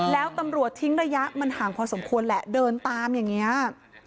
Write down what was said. แล้วตำรวจทิ้งระยะมันห่างพอสมควรแหละเดินตามอย่างนี้